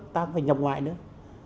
ta không phải nhập ngoại nữa